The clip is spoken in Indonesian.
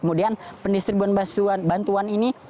kemudian pendistribusian bantuan ini